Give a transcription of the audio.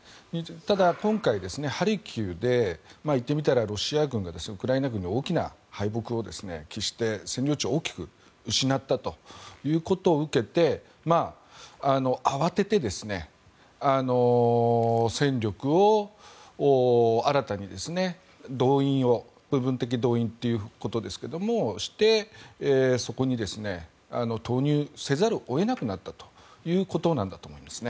ただ、今回ハルキウでいってみたらロシア軍がウクライナ軍に大きな敗北を喫して占領地を大きく失ったことを受けて慌てて、戦力を新たに部分的動員ということで動員をしてそこに投入せざるを得なくなったということなんだと思います。